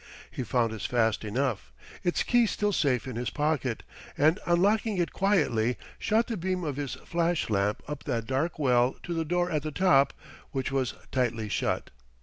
He found this fast enough, its key still safe in his pocket, and unlocking it quietly, shot the beam of his flash lamp up that dark well to the door at the top; which was tight shut.